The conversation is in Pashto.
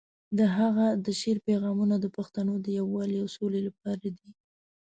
د هغه د شعر پیغامونه د پښتنو د یووالي او سولې لپاره دي.